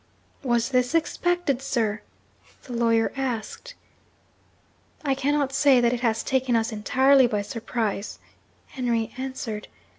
'Was this expected, sir?' the lawyer asked. 'I cannot say that it has taken us entirely by surprise,' Henry answered.